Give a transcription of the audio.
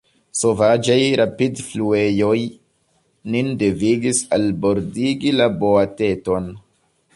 Sovaĝaj rapidfluejoj nin devigis albordigi la boateton.